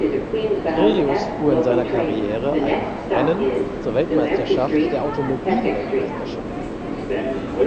Creus fuhr in seiner Karriere ein Rennen zur Weltmeisterschaft der Automobilweltmeisterschaft.